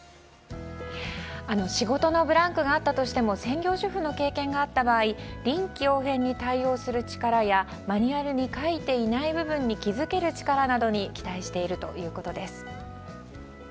仕事のブランクがあったとしても専業主婦の経験があった場合臨機応変に対応する力やマニュアルに書いていない部分に気付ける力などに期待しているということです。